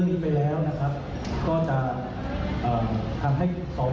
ของสภาพพธนัดสมบัติได้